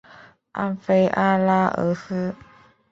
安菲阿拉俄斯。